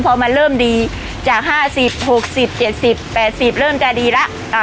พอมันเริ่มดีจากห้าสิบหกสิบเจ็ดสิบแปดสิบเริ่มจะดีแล้ว